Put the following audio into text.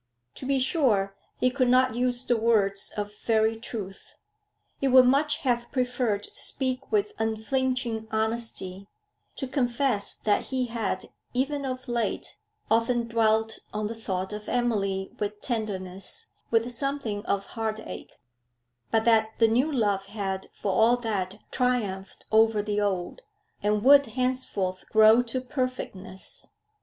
To be sure, he could not use the words of very truth. He would much have preferred to speak with unflinching honesty, to confess that he had, even of late, often dwelt on the thought of Emily with tenderness, with something of heart ache; but that the new love had, for all that, triumphed over the old, and would henceforth grow to perfectness.